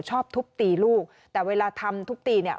ทุบตีลูกแต่เวลาทำทุบตีเนี่ย